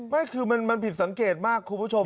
ไม่คือมันผิดสังเกตมากคุณผู้ชม